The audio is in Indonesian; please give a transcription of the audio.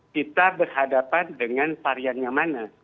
kita berhadapan dengan variannya mana